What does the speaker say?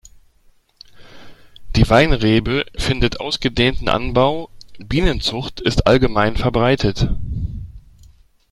Die Weinrebe findet ausgedehnten Anbau, Bienenzucht ist allgemein verbreitet.